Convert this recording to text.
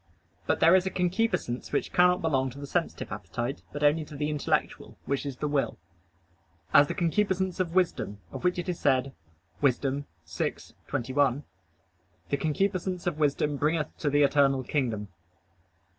But there is a concupiscence which cannot belong to the sensitive appetite, but only to the intellectual, which is the will; as the concupiscence of wisdom, of which it is said (Wis. 6:21): "The concupiscence of wisdom bringeth to the eternal kingdom."